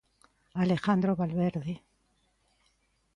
Alejandro Valverde.